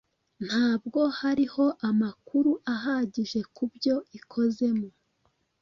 ntabwo hariho amakuru ahagije ku byo ikozemo .